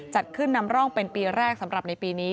จัดขึ้นนำร่องเป็นปีแรกสำหรับในปีนี้